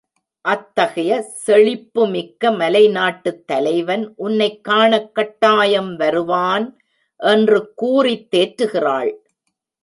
அத்தகைய செழிப்புமிக்க மலைநாட்டுத் தலைவன் உன்னைக் காணக் கட்டாயம் வருவான் என்று கூறித்தேற்றுகிறாள்.